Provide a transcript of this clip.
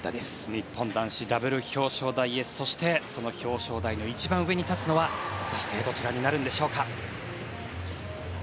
日本男子、ダブル表彰台へそして、その表彰台の一番上に立つのは果たしてどちらになるんでしょうか。